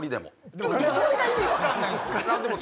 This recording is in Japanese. それが意味分かんないんですよ。